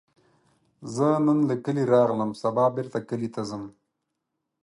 زه نن له کلي راغلم، سبا بیرته کلي ته ځم